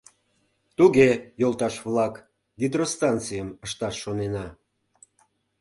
Туге, йолташ-влак, гидростанцийым ышташ шонена.